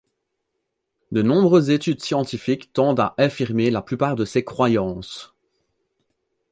De nombreuses études scientifiques tendent à infirmer la plupart de ces croyances.